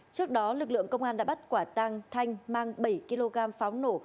trước đó lực lượng công an đã bắt quả tăng thanh mang bảy kg pháo nổ